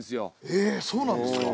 ええそうなんですか？